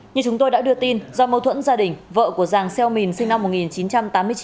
như chúng tôi đã đưa tin do mâu thuẫn gia đình vợ của giàng xeo mình sinh năm một nghìn chín trăm tám mươi chín